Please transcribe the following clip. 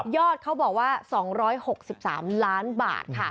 เขาบอกว่า๒๖๓ล้านบาทค่ะ